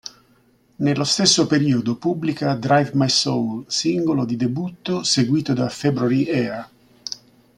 Nello stesso periodo pubblica "Drive My Soul", singolo di debutto seguito da "February Air".